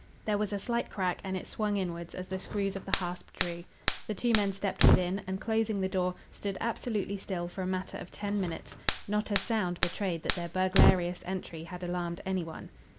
There was a slight crack, and it swung inwards as the screws of the hasp drew. The two men stepped within and, closing the door, stood absolutely still for a matter of ten minutes. Not a sound betrayed that their burglarious entry had alarmed any one.